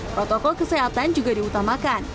protokol kesehatan juga diutamakan